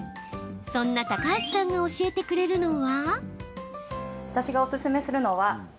そんな高橋さんが教えてくれるのは。